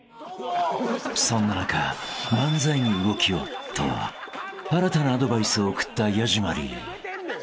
［そんな中「漫才に動きを」と新たなアドバイスを送ったヤジマリー。］